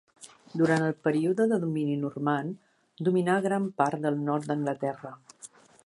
Durant el període de domini normand dominà gran part del nord d'Anglaterra.